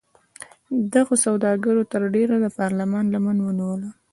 دغو سوداګرو تر ډېره د پارلمان لمن ونیوله.